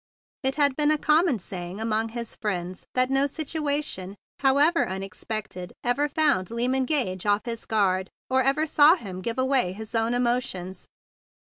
It had been a common saying among his friends that no situation however un¬ expected ever found Lyman Gage off his guard, or ever saw him give away his own emotions.